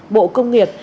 bộ công nghiệp